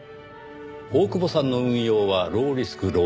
大久保さんの運用はローリスクローリターン。